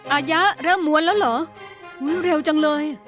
อายะเริ่มม้วนแล้วเหรอม้วนเร็วจังเลย